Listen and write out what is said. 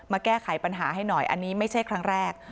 แก้ไขปัญหาให้หน่อยอันนี้ไม่ใช่ครั้งแรก